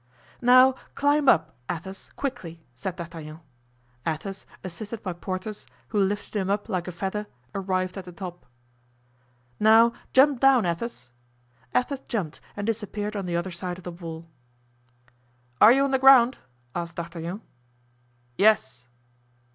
"Now climb up, Athos, quickly," said D'Artagnan. Athos, assisted by Porthos, who lifted him up like a feather, arrived at the top. "Now, jump down, Athos." Athos jumped and disappeared on the other side of the wall. "Are you on the ground?" asked D'Artagnan. "Yes."